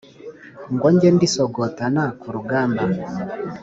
Ngo njye ndisogotana ku rugamba